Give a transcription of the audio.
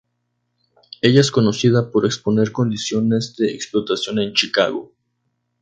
Ella es conocida por exponer condiciones de explotación en Chicago.